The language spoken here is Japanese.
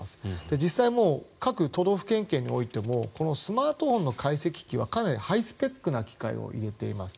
実際、各都道府県警においてもスマートフォンの解析機はかなりハイスペックな機械を入れています。